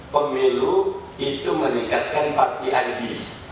pemilu itu meningkatkan partai agih